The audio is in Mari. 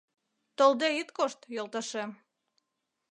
Толде ит кошт, йолташем.